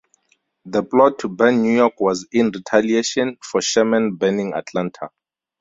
The plot to burn New York was in retaliation for Sherman burning Atlanta.